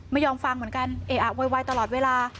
ไม่ยอมฟังเหมือนกันเออะโวยวายตลอดเวลา